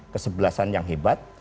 kesebelasan yang hebat